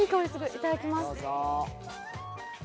いただきます。